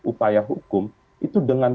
upaya hukum itu dengan